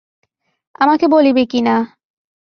আমাকে বলিবে কি না।